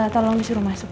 tolong disuruh masuk